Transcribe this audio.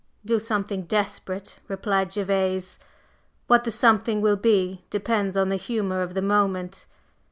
"Do something desperate," replied Gervase. "What the something will be depends on the humor of the moment.